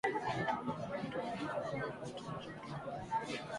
Leo tuko nakutana na ba mama bote nju tubape viwanja